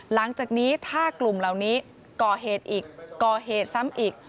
หลังจากนี้ถ้ากลุ่มเหล่านี้ก่อเหตุอีกก่อเหตุซ้ำอีก